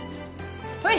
ほい！